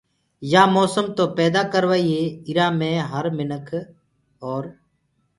يآ موسم تو پيدآ ڪروئي ايرآ مي هر مِنک اور